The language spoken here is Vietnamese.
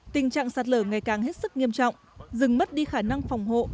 tình trạng sạt lở ngày càng hết sức nghiêm trọng rừng mất đi khả năng phòng hộ